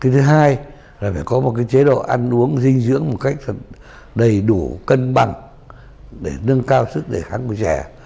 thứ hai là phải có một chế độ ăn uống dinh dưỡng một cách đầy đủ cân bằng để nâng cao sức đề kháng của trẻ